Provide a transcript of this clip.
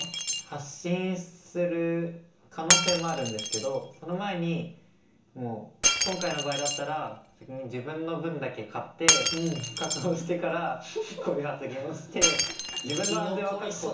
発信する可能性もあるんですけどその前にもう今回の場合だったら先に自分の分だけ買って確保してからこういう発言をして自分の安全は確保。